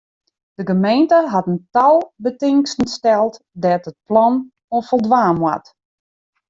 De gemeente hat in tal betingsten steld dêr't it plan oan foldwaan moat.